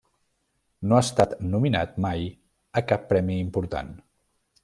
No ha estat nominat mai a cap premi important.